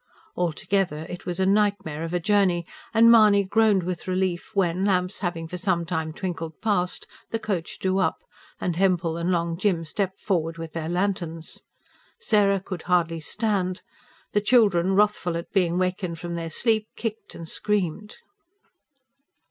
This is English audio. Altogether it was a nightmare of a journey, and Mahony groaned with relief when, lamps having for some time twinkled past, the coach drew up, and Hempel and Long Jim stepped forward with their lanterns. Sarah could hardly stand. The children, wrathful at being wakened from their sleep, kicked and screamed.